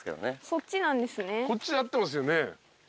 こっちで合ってますよね？